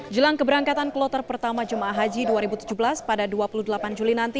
jelang keberangkatan kloter pertama jemaah haji dua ribu tujuh belas pada dua puluh delapan juli nanti